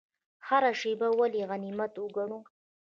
هره شیبه ولې غنیمت وګڼو؟